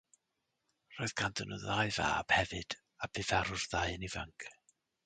Roedd ganddyn nhw ddau fab hefyd, a bu farw'r ddau yn ifanc.